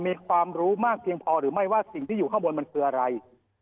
มีความรู้มากเพียงพอหรือไม่ว่าสิ่งที่อยู่ข้างบนมันคืออะไร